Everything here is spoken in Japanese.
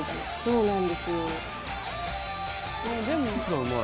そうなんですよ。